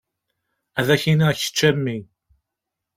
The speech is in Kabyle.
Ad ak-iniɣ kečč a mmi.